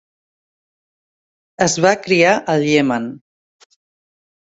Es va criar al Iemen.